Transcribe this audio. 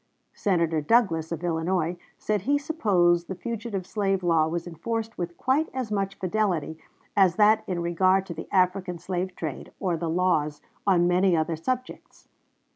Senator Douglas, of Illinois, said he supposed the fugitive slave law was enforced with quite as much fidelity as that in regard to the African slave trade or the laws on many other subjects.